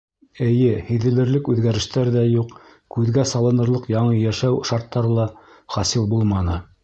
Эйе, һиҙелерлек үҙгәрештәр ҙә юҡ, күҙгә салынырлыҡ яңы йәшәү шарттары ла хасил булманы.